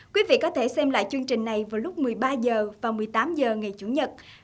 quý vị có thể xem lại chương trình này vào lúc một mươi ba h và một mươi tám h ngày chủ nhật